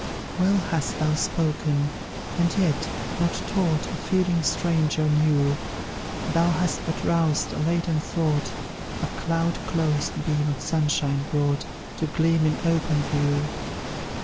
Well hast thou spoken, and yet not taught A feeling strange or new; Thou hast but roused a latent thought, A cloud closed beam of sunshine brought To gleam in open view.